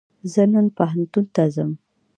زه نن پوهنتون ته ځم